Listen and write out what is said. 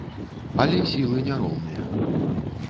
Але сілы не роўныя.